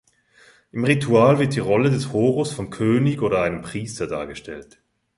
Im Ritual wird die Rolle des Horus vom König oder einem Priester dargestellt.